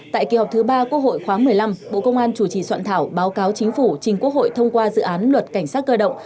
tại kỳ họp thứ ba quốc hội khóa một mươi năm bộ công an chủ trì soạn thảo báo cáo chính phủ trình quốc hội thông qua dự án luật cảnh sát cơ động